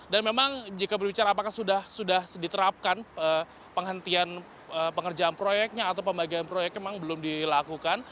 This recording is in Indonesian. dan memang jika berbicara apakah sudah sediterapkan penghentian pengerjaan proyeknya atau pembagian proyeknya memang belum dilakukan